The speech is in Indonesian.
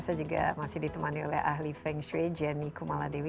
saya juga masih ditemani oleh ahli feng shui jenny kumaladewi